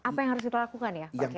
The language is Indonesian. apa yang harus kita lakukan ya pak kiai